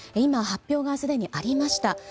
今、発表がすでにありました。